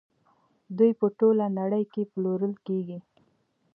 دوی په ټوله نړۍ کې پلورل کیږي.